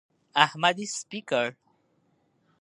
احمد يې سپي کړ.